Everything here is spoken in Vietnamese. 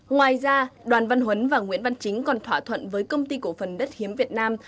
ngoài ra đoàn văn huấn và nguyễn văn chính còn thỏa thuận với công ty cổ phần đất hiếm việt nam